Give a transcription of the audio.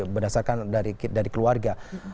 berdasarkan dari keluarga